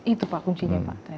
itu pak kuncinya pak